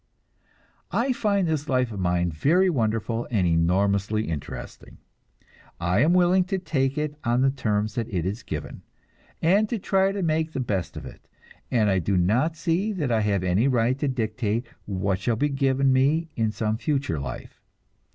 I find this life of mine very wonderful, and enormously interesting. I am willing to take it on the terms that it is given, and to try to make the best of it; and I do not see that I have any right to dictate what shall be given me in some future life.